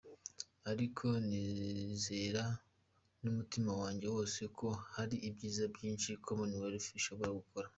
Ariko nizera n’umutima wanjye wose ko hari ibyiza byinshi Commonwealth ishobora gukora.